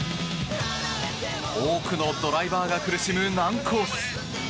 多くのドライバーが苦しむ難コース。